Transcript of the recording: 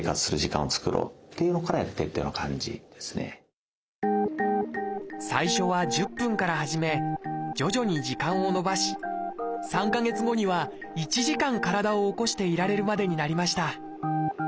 最近いろいろ調べてみると最初は１０分から始め徐々に時間を延ばし３か月後には１時間体を起こしていられるまでになりました